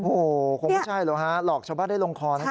โอ้โหคงไม่ใช่เหรอฮะหลอกชาวบ้านได้ลงคอนะครับ